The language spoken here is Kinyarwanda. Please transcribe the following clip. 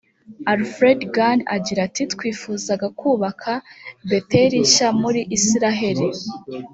alfred gunn agira ati twifuzaga kubaka beteli nshya muri isiraheli